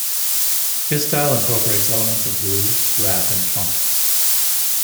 His style incorporates elements of blues, rap and funk.